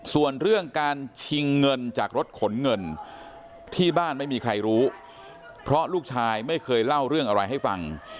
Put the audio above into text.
ส่วนเรื่องการชิงเงินจากรถขนเงินที่บ้านไม่มีใครรู้เพราะลูกชายไม่เคยเล่าเรื่องอะไรให้ฟัง